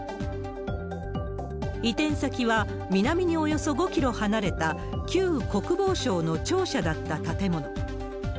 移転先は南におよそ５キロ離れた旧国防省の庁舎だった建物。